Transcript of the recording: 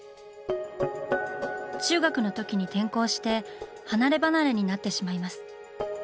中学のときに転校して離れ離れになってしまいます。